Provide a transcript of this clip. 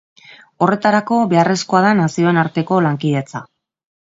Horretarako, beharrezkoa da nazioen arteko lankidetza.